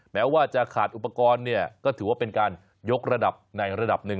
แม้ว่าจะขาดอุปกรณ์เนี่ยก็ถือว่าเป็นการยกระดับในระดับหนึ่ง